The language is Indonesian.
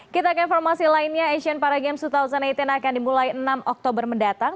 kita ke informasi lainnya asian paragames dua ribu delapan belas akan dimulai enam oktober mendatang